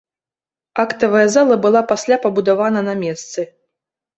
Актавая зала была пасля пабудаваны на месцы.